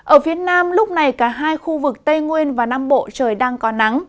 ở phía nam lúc này cả hai khu vực tây nguyên và nam bộ trời đang có nắng